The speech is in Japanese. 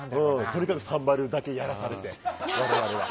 とにかく「サンバリュ」だけやらされて、我々は。